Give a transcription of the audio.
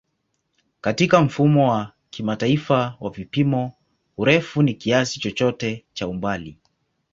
Katika Mfumo wa Kimataifa wa Vipimo, urefu ni kiasi chochote cha umbali.